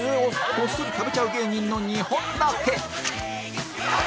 こっそり食べちゃう芸人の２本立て